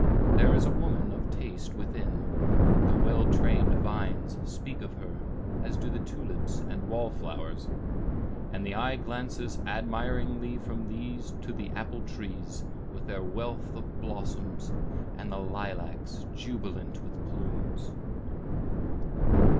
There is a woman of taste within; the well trained vines speak of her, as do the tulips and wall flowers. And the eye glances admiringly from these to the apple trees, with their wealth of blossoms, and the lilacs, jubilant with plumes.